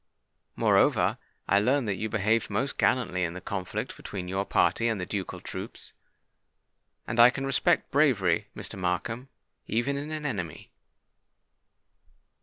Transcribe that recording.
Moreover, I learn that you behaved most gallantly in the conflict between your party and the ducal troops; and I can respect bravery, Mr. Markham, even in an enemy."